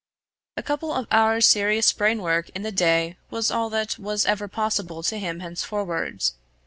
A couple of hours' serious brainwork in the day was all that was ever possible to him henceforward.